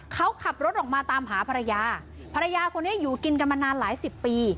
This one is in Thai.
เขาขับรถออกมาตามหาภรรยาภรรยาคนนี้อยู่กินกันมานานหลายสิบปี